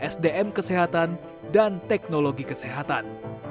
sdm kesehatan dan teknologi kesehatan